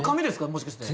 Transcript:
もしかして。